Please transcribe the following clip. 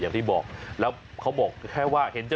จอดแต่แรกก็จบแล้วนะ